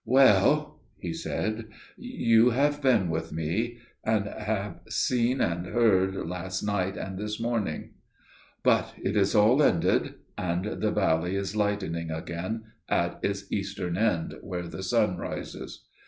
"Well," he said, "you have been with me and have seen and heard, last night and this morning; but it is all ended, and the valley is lightening again at its eastern end where the sun rises.